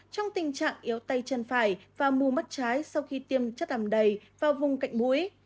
trong tình trạng yếu tay chân phải và mù mắt trái sau khi tiêm chất ảm đầy vào vùng cạnh mũi